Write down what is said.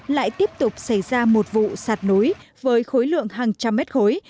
lại tiếp tục xảy ra một vụ sạt núi với khối lượng hàng trăm mét khối